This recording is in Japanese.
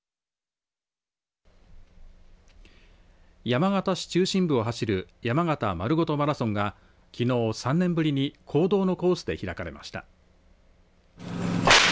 山形市中心部を走る山形まるごとマラソンがきのう３年ぶりに公道のコースで開かれました。